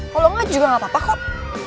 kalau enggak juga gak apa apa kok